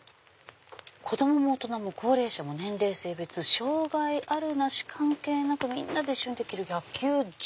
「子供の大人も高齢者も年齢性別障がいのあるなし関係なくみんなで一緒にできる野球場」？